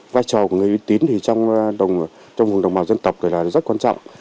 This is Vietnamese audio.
vai trò của người uy tín thì trong vùng đồng bào dân tộc thì là rất quan trọng